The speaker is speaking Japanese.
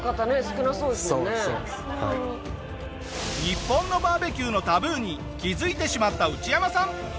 日本のバーベキューのタブーに気づいてしまったウチヤマさん。